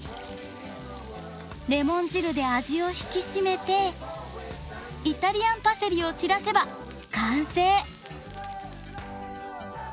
レモン汁で味を引き締めてイタリアンパセリを散らせば完成。